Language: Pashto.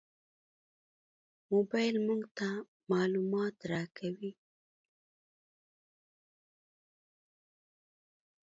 موبایل موږ ته معلومات راکوي.